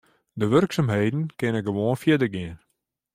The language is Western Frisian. De wurksumheden kinne gewoan fierder gean.